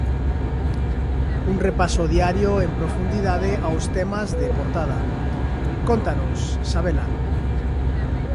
Un repaso diario en profundidade aos temas de portada. Cóntanos, Sabela.